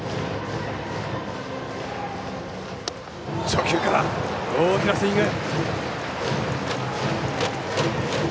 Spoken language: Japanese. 初球から、大きなスイング。